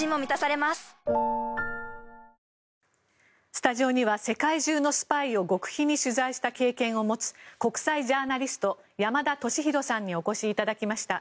スタジオには世界中のスパイを極秘に取材した経験を持つ国際ジャーナリスト山田敏弘さんにお越しいただきました。